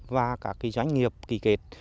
và các doanh nghiệp kỳ kệt